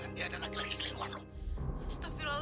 kamu mesti ngasih gua duit duit